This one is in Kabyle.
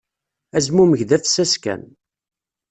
Azmumeg d afessas kan.